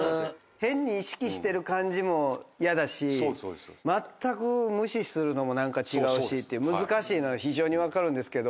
変に意識してる感じも嫌だしまったく無視するのも何か違うしっていう難しいのは非常に分かるんですけど。